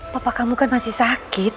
papa kamu kan masih sakit